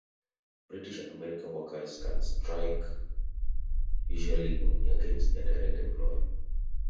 British and American workers can strike usually only against their direct employer.